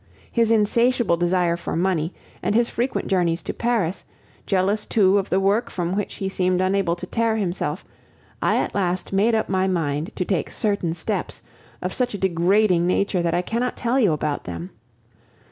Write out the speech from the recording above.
his insatiable desire for money, and his frequent journeys to Paris; jealous too of the work from which he seemed unable to tear himself, I at last made up my mind to take certain steps, of such a degrading nature that I cannot tell you about them.